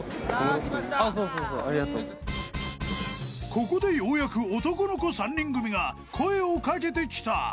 ［ここでようやく男の子３人組が声を掛けてきた］